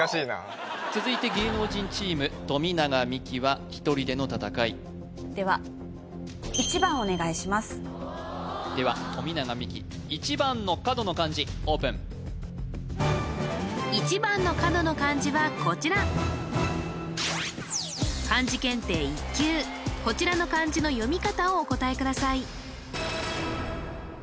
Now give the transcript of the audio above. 続いて芸能人チーム富永美樹は１人での戦いではでは富永美樹１番の角の漢字オープン１番の角の漢字はこちらこちらの漢字の読み方をお答えください